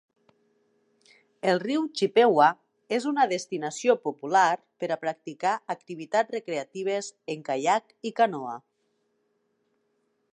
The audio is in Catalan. El riu Chippewa és una destinació popular per a practicar activitats recreatives en caiac i canoa.